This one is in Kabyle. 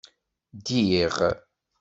Ddiɣ